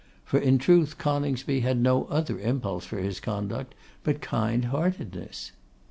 For in truth Coningsby had no other impulse for his conduct but kind heartedness.